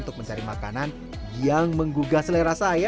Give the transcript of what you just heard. untuk mencari makanan yang menggugah selera saya